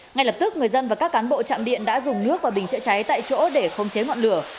ngay lập tức người dân và các cán bộ trạm điện đã dùng nước và bình chữa cháy tại chỗ để không chế ngọn lửa